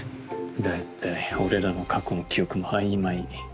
大体俺らも過去の記憶が曖昧。